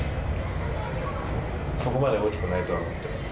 そこまで大きくないとは思ってます。